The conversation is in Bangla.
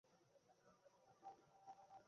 এ ছাড়া আরও বিভিন্ন মত রয়েছে।